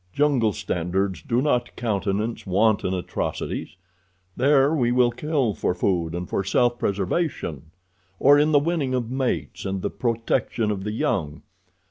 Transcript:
"Jungle standards do not countenance wanton atrocities. There we kill for food and for self preservation, or in the winning of mates and the protection of the young.